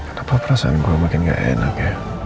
kenapa perasaan gue makin gak enak